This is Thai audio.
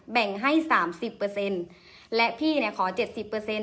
แบ่งให้สามสิบเปอร์เซ็นต์และพี่เนี่ยขอเจ็ดสิบเปอร์เซ็นต